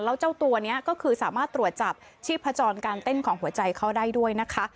แล้วเจ้าตัวนี้ก็คือสามารถตรวจจับชีพจรการเต้นของหัวใจเขาได้ด้วยนะคะ